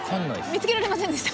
見つけられませんでした。